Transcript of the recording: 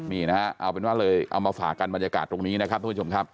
นี่นะฮะเอาเป็นว่าเลยเอามาฝากกันบรรยากาศตรงนี้นะครับทุกผู้ชมครับ